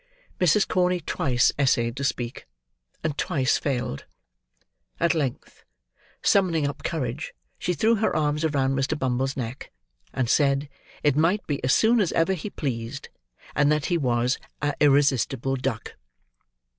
Mrs. Corney twice essayed to speak: and twice failed. At length summoning up courage, she threw her arms around Mr. Bumble's neck, and said, it might be as soon as ever he pleased, and that he was "a irresistible duck."